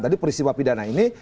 tadi peristiwa pidana ini